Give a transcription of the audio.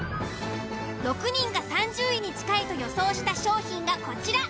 ６人が３０位に近いと予想した商品がこちら。